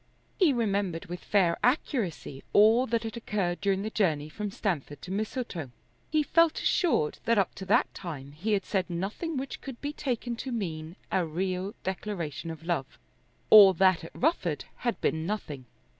He remembered with fair accuracy all that had occurred during the journey from Stamford to Mistletoe. He felt assured that up to that time he had said nothing which could be taken to mean a real declaration of love. All that at Rufford had been nothing.